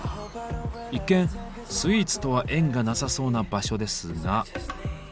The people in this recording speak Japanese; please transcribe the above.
一見スイーツとは縁がなさそうな場所ですが。